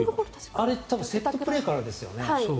セットプレーからですよね。